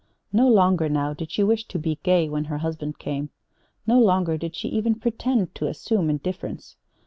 No longer now did she wish to be gay when her husband came. No longer did she even pretend to assume indifference.